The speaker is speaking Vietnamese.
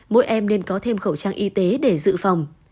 mỗi em nên có thêm khẩu trang y tế để dự phòng